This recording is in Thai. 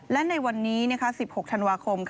และในวันนี้๑๖ธันวาคม